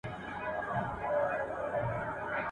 شمع یم یوه شپه په تیاره کي ځلېدلی یم ..